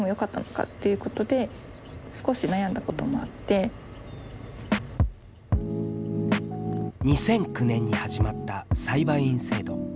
最初の通知が２００９年に始まった裁判員制度。